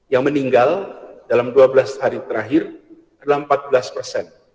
yang meninggal dalam dua belas hari terakhir adalah empat belas persen